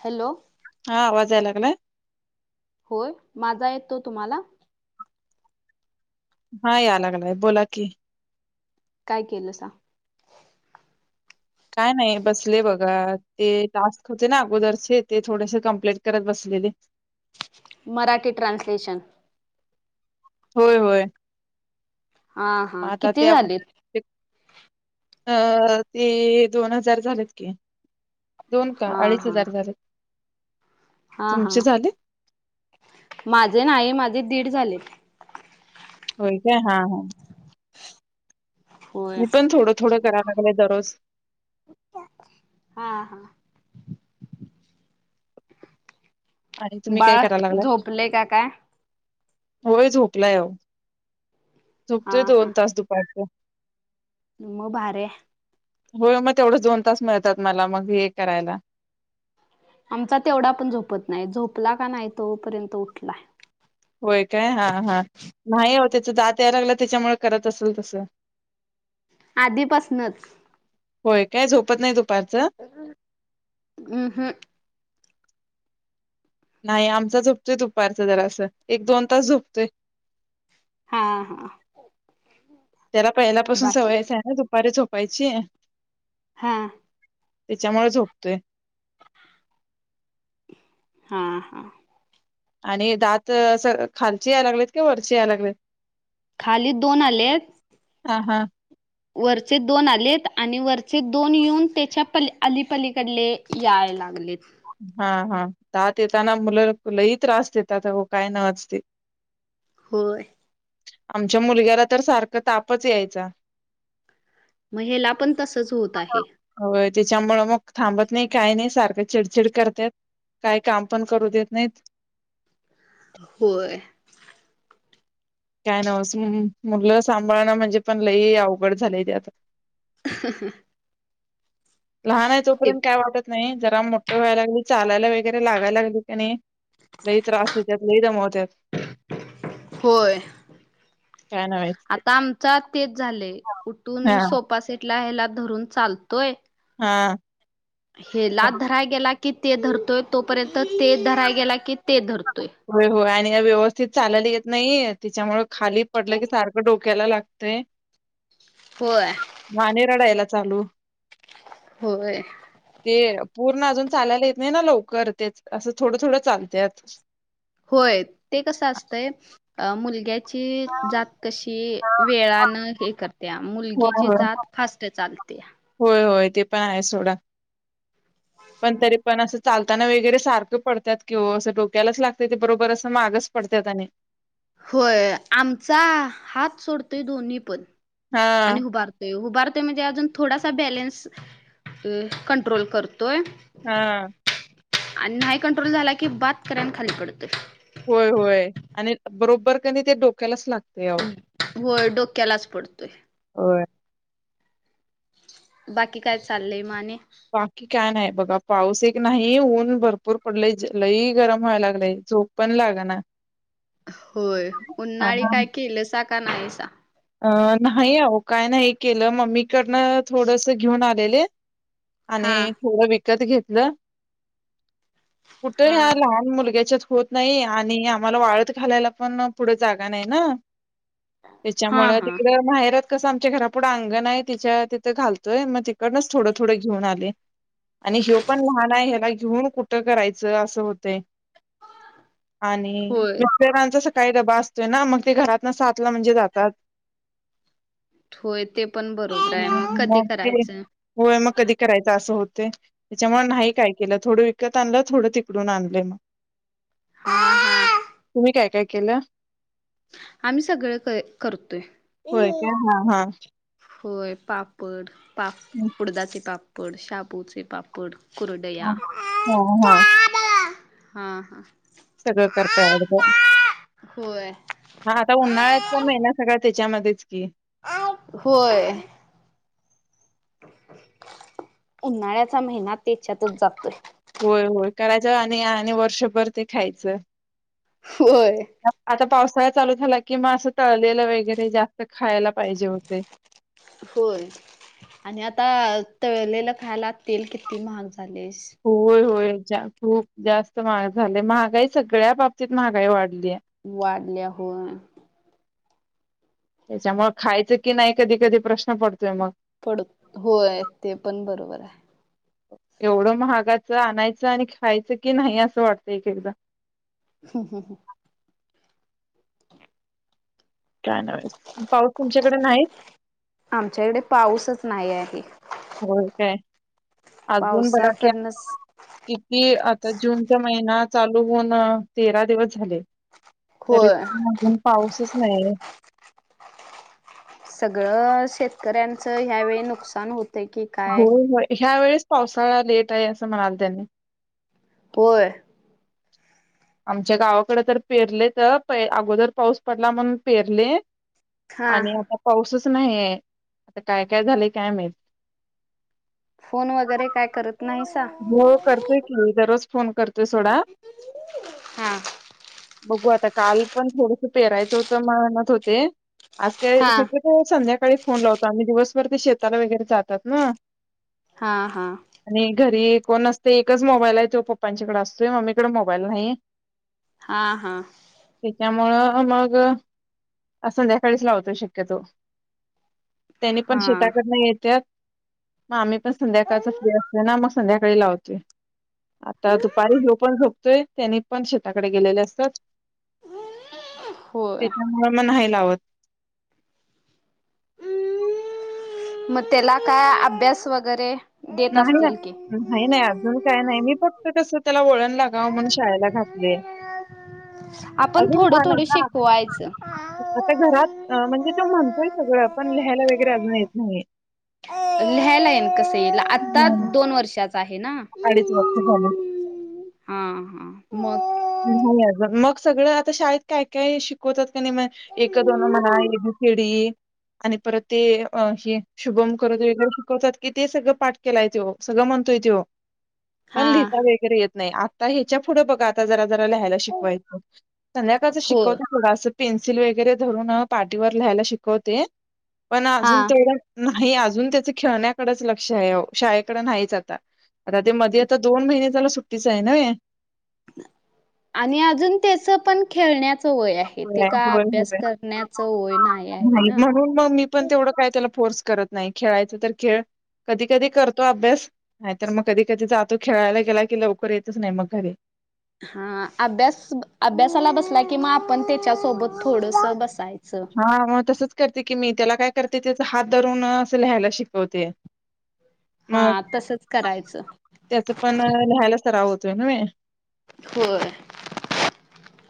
Hello हा आवाज याय लागलाय. होय माझा येत तो तुम्हाला. हा यालागलाय बोला की. काय केलं सा. काय नाही बसले बघा ते टास्क होते ना अगोदरचे ते थोडेसे कमप्लीट करत बसलेले. मराठी ट्रानसलेशन. होय होय. हा हा मग आता किती ते अगो झाले. ते अ ते दोन हजार झालेत की. दोन का हा अडीच हा हजार झालेत. हा हा तुमचे झाले? माझे नाही माझे दीड झालेत. होय काय हा हा. होय मी पण थोडं थोडं कराय लागले दररोज. हा हा. आणि तुम्ही काय बाळ करायला लागलाय? झोपले का काय. होय झोपला ओ. झपतोय दोन तास दुपारच. न् भारीय. होय मग तेवढं दोन तास मिळतात मला मग हे करायला. आमचा तेवढा पण झोपत नाय झोपला का नाय तोपर्यंत उठला. होय काय हा हा नाही हो त्याच दात यायला लागलं त्याच्यामुळे करत असेल तस आधीपासूनच होय काय झोपत नाही तो दु हम् हम्म नाही आमचा झोपतोय दुपारच जरा असं एक दोन तास झोपतोय हा हा त्याला पहिल्या पासून बाय सवयच आहे ना दुपारी झोप पाहिची हा त्याच्यामुळे झोपतोय. हा हा आणि दात अस खालची यायला लागलेत कि वरची याय लागलेत. खाली दोन आले हा हा वरचे दोन आलेत आणि वरचे दोन येऊन त्याच्या प अलीपलीकडले याय लागलेत. हा हा दात येताना मुलं लई त्रास देतात आहो काय न्हवच ते. होय आमच्या मुलग्याला तर सारखं तापच यायचा म हेला पण तसच होत आहे. त्याच्यामुळे मग थांबत नाही काही नाही सारखं चिडचिड करतात काय काम पण करू देत नाहीत होय काय नवस मुललं सांभाळणं म्हणजे पण लई अवघड झालेय ते आता ह लहान आहे तोपर्यंत काय वाटत नाही जरा मोठं व्हायला लागले चालायला वगैरे लागायला लागली क नाही लइ त्रास देता त लइ दमवतात होय. नाच झा क सो रून चालतोय हा हे लाच धराय गेला कि ते धरतोय तोपर्यंत ते धराय गेला कि ते धरतो हो हो आणि हो ते चालले येत नाही त्याच्यामु खाली पडलं की सारखं डोक केला लागते होय मान रडा यला चालू होय ते पूर्ण अजून चालायला येत नाही ना लवकर तेच असं थोडं थोडं चालतत होय ते कस असतंय मुलग्या हां. जात कशी हां. वेळान त्या होय, मुलगीची होय. जात फास्ट चालते होय, होय. ते पण आहे सोडा पण तरी पण असं चालताना वगैरे सारखं पडतात किं असं डोक्यालाच लागते ते बरोबर असं मागच पडतात आणि होय आमचा हात सोडतोय दोन्ही पण हा आणि उबारतोय उभारतो म्हणजे अज थोडासा बॅलन्स कंट्रोल करतो तोय हा आणि नाही कंट्रोल झाला की बात कऱन खाली पडतोय होय होय आणि बरोबर कि नाई ते डोक्यालाच लागत व डोक्यालाच पडतोय होय. बाकी काय चाललय म आणि बाकी काय नाही बघा पाऊस एक ी नाही ऊन भरपूर पडलय ज लही गरम व्हाय लागलंय झोप पण लाग ना होय उन्हाळी काय केलं सा का नाही स अं नाही अ काय नाही केलं मम्मीकडनं थोडस घेऊन आलेले आणि हा थोडं विकत घेत ना कुठे हा ह्या लहान मुलग्याच्या होत नाही आणि आम्हाला वाळत खालायला पण पुढे जागा नाही ना हा च्यामुळेळ हा तिकडं बाहेरच कसं आमच्या घरापुढं अंगण आहे तिच्या तिथं घालतोय मग तिकडनच थोडं थोडं घेऊन आले आणि ह्यो पण लहान आहे ह्याला घेऊन कुठं करायचं असं होतंय आणि होय मिस्टराचं काही डबा असतोय ना मग ते घरात ना सातला म्हणजे जात तत होय ते पण बरोबर आहे मग कधी करायचं होय मग कधी करायच असं होते त्याच्यामुळे नाही काय केलं थोडं विकत आणलं थोडं तिकडून आणलं मग हा हा तुम्ही काय काय केलं आम्ही सगळं करतोय होय काय हा हा होय पापड पाप उडदाचे पाप पड शाबूचे पापड. कुरडया हा हा. हा हा. सगळं करताय वाटतं होय. हा के. अ होय. उन्हाळ्याचा महिना त्याच्यातच जातोय. होय होय करायचं आणि आणि वर्षभर ते खायचं. होय आता पाऊस. पावसाळा चालू झाला कि मगं असं तळलेलं वगैरे जास्त खायला. पाहिजे होते. होय आणि आता तळलेलं खायला तेल किती महाग झा - होय होय. खूप जास्त महाग झाले महागाई सगळ्या बाबतीत महागाई वाढली आहे. वाढल्या होय. त्याच्यामुळ खायचं की नाही कधी कधी प्रश्न पडतोय मग. पड होय ते पण बरोबर आहे. एवढं महागाचं आणायचं आणि खायचं की नाही असं वाटतं एकेकदा. [unintelligible] काय नव्हेच, ‌पाऊस तुमच्याकडे नाहीच? आमच्याकडे पाऊसच नाही आहे होय, काय? अजून बघा की पावसाकडनंच किती आता जूनच्या महिन्यात चालू होऊन तेरा दिवस झाले. तरी होय पण अजून पाऊसच नाही. सगळं शेतकऱ्यांचं ह्यावेळी नुकसान होत होय, होय. ह्या वेळेस पावसाळा लेट आहे असं म्हणालेत आणि होय. आमच्या गावाकडे तर पेरलेत प अगोदर पाऊस पडला म्हणून पेरले हा आणि आता पाऊसच नाहीये. आता काय काय झालंय काय माहीत. फोन वगैरे काय करतं हो करतोय की दररोज फोन करतोयं सोडा. हा. बघू आता काल पण थोडस पेरायचं होतं म्हणत होते. आज काय हा शक्यतो संध्या सकाळी फोन लावतो आणि दिवसभर ते शेताला वगैरे जातात ना. हा, हा. आणि घरी कोण असते, एकच मोबाईल आहे तो पप्पांच्याकडे असतोय. मम्मीकडे मोबाईल नाही. हा, हा. मुळ मग संध्याकाळीच लावतोय शक्यतो. त्यांनी पण हा. शेताकडंन येत्यात मग आम्ही पण संध्याकाळच फ्री असलो ना मग संध्याकाळी लावतोय. आता दुपारी घेऊ ह्यो पण झोप तोय. त्यांनी पण शेताकडे गेलेले असतात. होय. त्याच्यामुळं मग नाही लावत मग त्याला काय अभ्यास वगैरे देत नाही, असतील की? नाही, नाही, नाही. अजून काय नाही. मी होतस [unintelligible] त्याला वळण लागावं म्हणून शाळेला घातले आपण अजून थोडं लहान थोडं शिकवायचं. आहे ना म्हणतोय सगळं पण लिहायला वगरे अजून येत नाही लिहायला येईन कसं आता दोन वर्षा आहे ना अडीच वर्ष झालं हा ह मग नाही अज मग सगळं आता शाळेत काय काय शिकवतात का नाही एक दोन म्हणा ए सिडी आणि परत ते ह शुभम करत वग शिकवतात कि ते सगळं पाठ केलाय तेो सगळं म्हणतोय तेव मण हा लिहिता वगैरे येत नाही आ ता ह्याच्या पुढं बघा आता जरा जरा लिहायला शिकवायचं संध्याकाळचं हो शिकवते थडं असं पेन्सिल वगैरे धरून पाठीवर लिहायला शिकवते पण हा अजून तेवढं हे अजून त्याच खेळण्याकडेच लक्ष आहे शाळेकड नाहीच आता आता ते मध्ये आता दोन महिने झाला सुट्टीच आहे ना [inaudible] आणि अजून त्यास पण खेळण्या वय आहे ते होय, का होय, अभ्यास होय. करण्याच वय नाही आहे ना म्हणून मग मी पण तेवढं काय त्याला फोर्स करत नाही खेळायच तर खेळ कधी कधी करतो अभ्यास नाही तरर मग कधी कधी जातो खेळायला गेला की लवकर येतच नाही मग घरी हा अभ्यास अभ्यासाला बसला कि म आपण त्याच्यासोबत थोडस बस हा मग तसच करते की मी त्याला काय ते त्याच हात धरून अस लिहायला शिकवते मग हा तसच करायचं. त्याच पण लिहायला सरावंत. न म होय.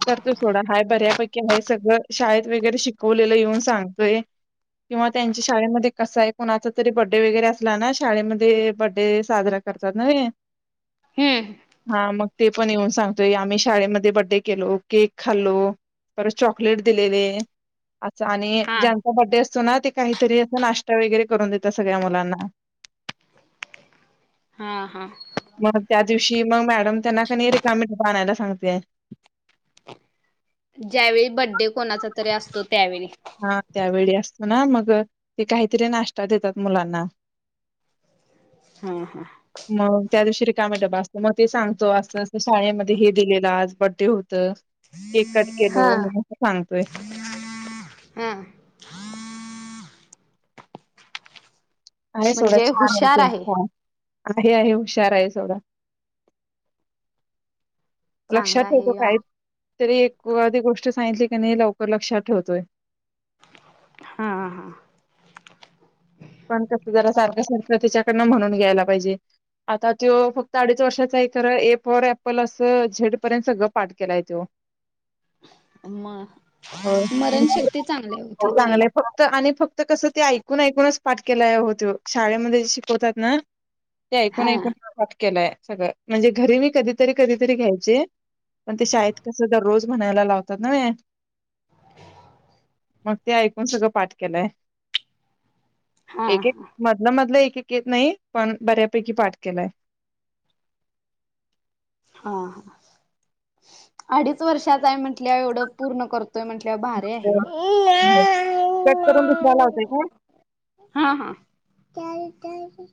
[unintelligible] करतो सथोडा हाय बऱ्यापैकी. आहे सगळं शा [unintelligible] वगैरे शिकवलेलं येऊन सांगतोय, किंवा त्यांच्या शाळेमध्ये कसं आहे, कोुणाचा तरी बर्डे वगैरे असला ना, शाळेमध्ये बर्डे साजरा करतात ना. हम्म [unintelligible] ते पण येऊन सांगतोय आम्ही शाळेमध्ये बड्डे केलो, केक खाल्लो परत चॉकलेट दिलेले. अच्छा आणि हा ज्यांचा बड्डे अस. ना ते काहीतरी अस नाश्ता वगैरे करून देत सगळ्या मुलांना. हा हा. शी मग मॅडम त्यांना क रिकामें बयला सांगते. ज्यावेळी बड्डे कोणाचा तरी असतो. त्यावेळी हा त्यावेळी अस. ना मग ते काहीतरी नाश्ता देतात मुलांना. हा हा मग त्या दिवशी. काय असत मग ते सांगतो, अस शाळेमध्ये हे दिलेलं आज बर्डे होत. केक कट केलो हा मग थांगतोय. हां [unintelligible] अ थोडं म्हणजे छान हुशार होतील. आहे आहे आहे हुशार आहे सोडा. लक्षात चांगला ठेवतो आहे आ काय. तरी एखधदी गोष्ट सांगितली की नाही, लवकर लक्षात ठेवतोय. हा हा. पण कस जरा सारख्या संस्कृतीच्या. म्हणून घ्यायला पाहिजे, आता तो फक्त अडीच वर्षाचा आहे खरं एप र अपपल असं झेड पर्यंत सगळं पाठ केलाय तो. म स्मरणशक्ती चांगली आहे ओ हो तिची चांगलं फक्त आणि फक्त कस ते ऐकून ऐकूनच. पाठकला होत शाळेमध्ये शिकवतात ना. ते ऐकून हा ऐकूनात केलंय. [unintelligible] सगळं म्हणजे घरी मी कधीतरी कधीतरी घ्यायचे पण ते शाळेत कसं दररोज म्हणायला लावतात ना. [inaudible] मग ते ऐकून सगळं पाठ केलंय. हा एक एक हा. मतलं मतल एक. िकेत नाही पण बऱ्यापैकी पाठ केलाय. हा अडीच वर्षाचा आहे म्हंटल्या एवढं पूर्ण करतो. त म्हंटल्या भारे आहे अच्छा. कट करून दुसरा लावताय काय? हा हा. कय रत्या